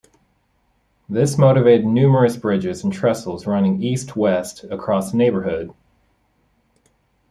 This motivated numerous bridges and trestles running east-west across the neighborhood.